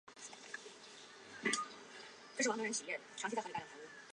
元末与兄廖永安在巢湖结寨自保。